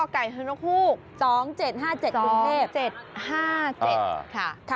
๓กฮน๒๗๕๗กรุงเทพ